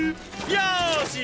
よし！